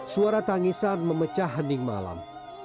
suara tangisan memecah hening malam